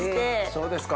そうですか。